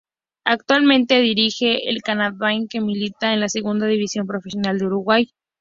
Actualmente dirige al Canadian, que milita en la Segunda División Profesional de Uruguay.